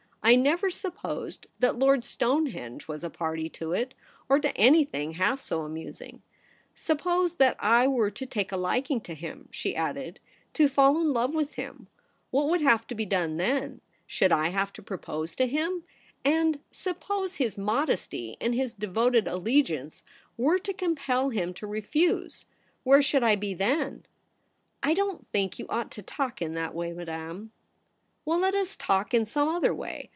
' I never supposed that Lord Stonehenge was a party to it, or to anything half so amusing. Suppose that I were to take a liking to him,' she added —* to THE PRINCESS AT HOME. i8i fall in love with him — what would have to be done then ? Should I have to propose to him ? And suppose his modesty and his devoted allegiance were to compel him to refuse, where should I be then ?'* I don't think you ought to talk in that way, Madame.' * Well, let us talk in some other way.